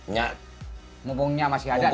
nyak mumpungnya masih ada